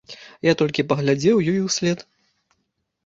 Я толькі паглядзеў ёй услед.